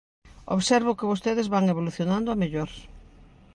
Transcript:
Observo que vostedes van evolucionando a mellor.